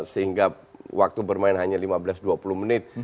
sehingga waktu bermain hanya lima belas dua puluh menit